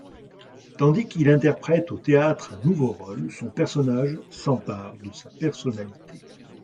Tandis qu’il interprète au théâtre un nouveau rôle, son personnage s’empare de sa personnalité.